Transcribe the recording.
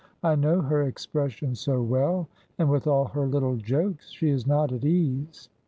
"I know her expression so well, and with all her little jokes, she is not at ease.